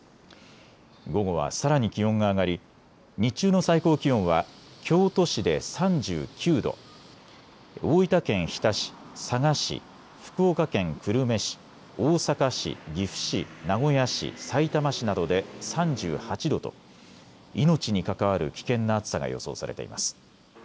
午後はさらに気温が上がり日中の最高気温は京都市で３９度、大分県日田市、佐賀市、福岡県久留米市、大阪市、岐阜市、名古屋市、さいたま市などで３８度と命に関わる危険な暑さが予想されています。